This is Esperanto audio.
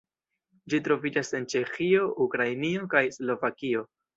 Ĝi troviĝas en Ĉeĥio, Ukrainio, kaj Slovakio.